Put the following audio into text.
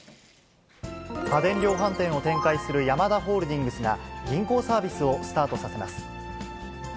家電量販店を展開するヤマダホールディングスが銀行サービスをスタートさせます。